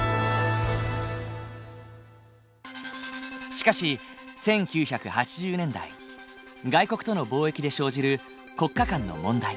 しかし１９８０年代外国との貿易で生じる国家間の問題